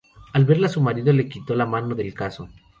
Al verla, su marido le quitó la mano del cazo.